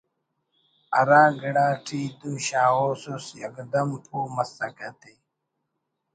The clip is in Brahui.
ہرا گڑا ٹی دو شاغوسس یکدم پہہ مسکہ تے